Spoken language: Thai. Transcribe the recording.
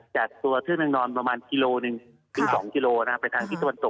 จากตัวเทือนนางนอนประมาณกิโลกรัม๑๒กิโลกรัมไปทางที่ตะวันศก